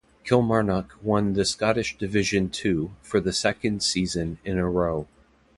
Kilmarnock won the Scottish Division Two for the second season in a row.